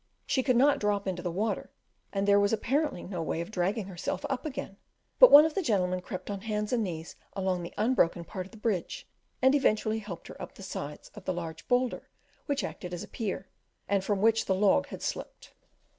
She could not drop into the water, and there was apparently no way of dragging herself up again; but one of the gentlemen crept on hands and knees along the unbroken part of the bridge, and eventually helped her up the sides of the large boulder which acted as a pier, and from which the log had slipped.